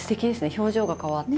表情が変わって。